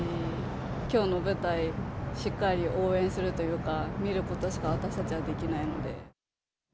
きょうの舞台、しっかり応援するというか、見ることしか私たちはできないので。